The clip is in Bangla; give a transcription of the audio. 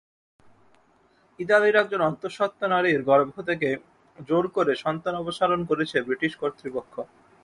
ইতালির একজন অন্তঃসত্ত্বা নারীর গর্ভ থেকে জোর করে সন্তান অপসারণ করেছে ব্রিটিশ কর্তৃপক্ষ।